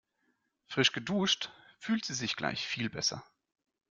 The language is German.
Frisch geduscht fühlt sie sich gleich viel besser.